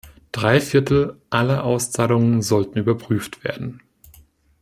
Drei Viertel aller Auszahlungen sollten überprüft werden.